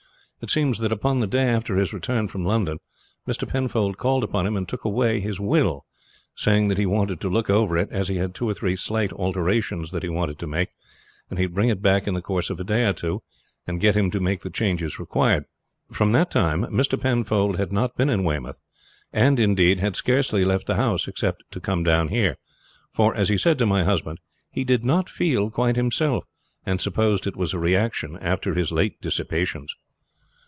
It seems that upon the day after his return from London Mr. Penfold called upon him and took away his will, saying that he wanted to look over it, as he had two or three slight alterations that he wanted to make, and he would bring it back in the course of a day or two and get him to make the changes required. From that time Mr. Penfold had not been in Weymouth, and, indeed, had scarcely left the house except to come down here; for, as he said to my husband, he did not feel quite himself, and supposed it was a reaction after his late dissipations.